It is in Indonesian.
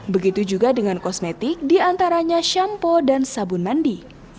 begitu juga dengan kosmetik diantaranya shampo dan sabun mandi